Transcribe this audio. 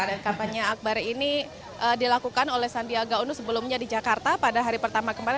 dan kampanye akbar ini dilakukan oleh sandiaga uno sebelumnya di jakarta pada hari pertama kemarin